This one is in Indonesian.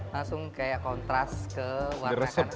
langsung kayak kontras ke warna kantong